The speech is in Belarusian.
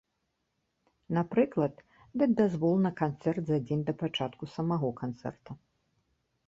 Напрыклад, даць дазвол на канцэрт за дзень да пачатку самога канцэрта.